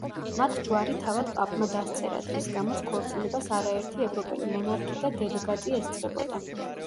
მათ ჯვარი თავად პაპმა დასწერათ, რის გამოც ქორწინებას არაერთი ევროპელი მონარქი და დელეგატი ესწრებოდა.